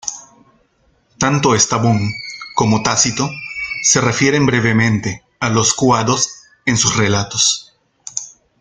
Tanto Estrabón como Tácito se refieren brevemente a los cuados en sus relatos.